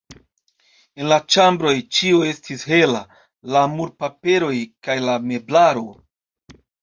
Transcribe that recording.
En la ĉambroj ĉio estis hela, la murpaperoj kaj la meblaro.